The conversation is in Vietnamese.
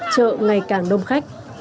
chợ ngày càng đông khách